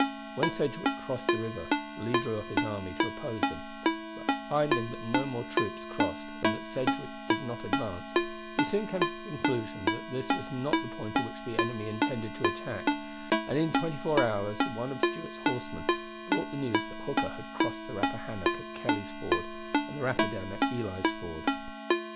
When Sedgwick crossed the river, Lee drew up his army to oppose him; but finding that no more troops crossed, and that Sedgwick did not advance, he soon came to the conclusion that this was not the point at which the enemy intended to attack, and in twenty four hours one of Stuart's horsemen brought the news that Hooker had crossed the Rappahannock at Kelley's Ford and the Rapidan at Ely's Ford.